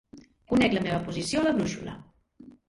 Conec la meva posició a la brúixola.